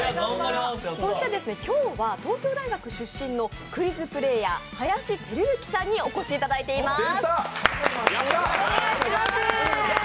そして、今日は東京大学出身のクイズプレーヤー・林輝幸さんにお越しいただいています。